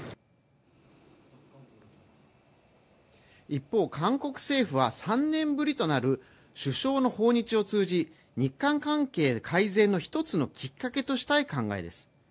一方、韓国政府は、３年ぶりとなる首相の訪日を通じ日韓関係改善の１つのきっかけとしたい考えです。